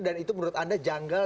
dan itu menurut anda janggal